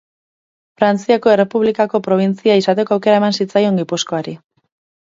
Frantziako Errepublikako probintzia izateko aukera eman zitzaion Gipuzkoari.